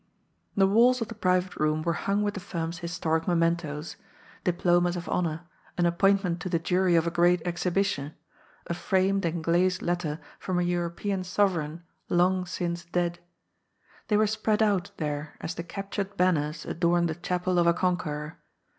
The wallfl of the priyate room were hung with the firm's historic mementoes ; diplomas of honour, an appointment to the Jury of a Great Exhibition, a framed and gUized letter from a European sovereign long since dead. They were spread out there as the captured banners adorn the chapel of a conqueror.